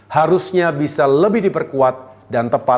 harusnya bisa lebih diperkuat dan tepat